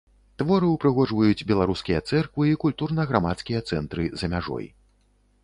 Творы ўпрыгожваюць беларускія цэрквы і культурна-грамадскія цэнтры за мяжой.